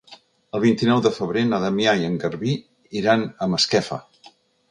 El vint-i-nou de febrer na Damià i en Garbí iran a Masquefa.